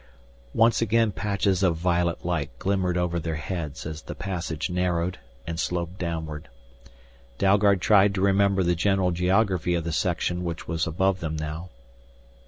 Once again patches of violet light glimmered over their heads as the passage narrowed and sloped downward. Dalgard tried to remember the general geography of the section which was above them now.